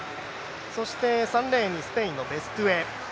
そして、３レーンにスペインのベストゥエ。